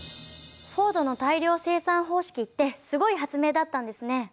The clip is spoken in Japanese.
フォードの大量生産方式ってすごい発明だったんですね。